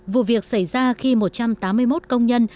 vụ việc xảy ra khi một trăm tám mươi một công nhân